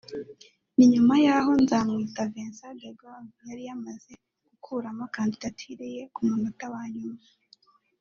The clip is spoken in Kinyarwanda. ni nyuma y’aho Nzamwita Vincent de Gaulle yari yamaze gukuramo kandidatire ye ku munota wa nyuma